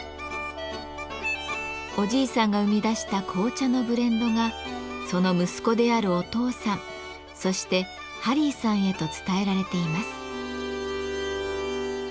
おじいさんが生み出した紅茶のブレンドがその息子であるお父さんそしてハリーさんへと伝えられています。